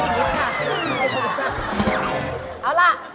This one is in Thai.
เหมือนอันอันหนึ่งนี่ค่ะ